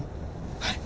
はい。